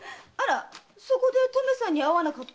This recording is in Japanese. そこでとめさんに会わなかった？